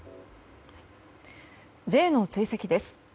Ｊの追跡です。